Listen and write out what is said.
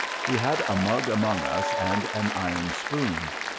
We had a mug among us, and an iron spoon.